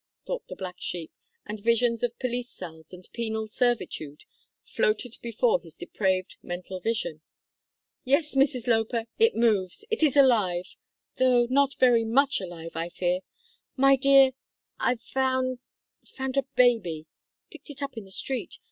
thought the black sheep, and visions of police cells and penal servitude floated before his depraved mental vision. "Yes, Mrs Loper, it moves. It is alive though not very much alive, I fear. My dear, I've found found a baby picked it up in the street.